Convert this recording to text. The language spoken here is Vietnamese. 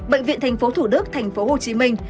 bệnh viện thành phố thủ đức thành phố hồ chí minh